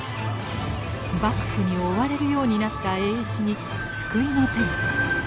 幕府に追われるようになった栄一に救いの手が。